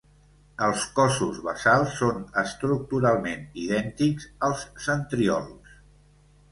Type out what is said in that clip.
Els cossos basals són estructuralment idèntics als centríols.